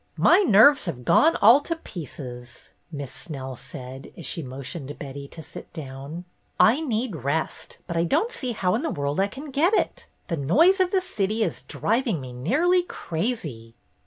''My nerves have gone all to pieces," Miss Snell said, as she motioned Betty to sit down. "I need rest, but I don't see how in the world I can get it. The noise of the city is driving me nearly crazy."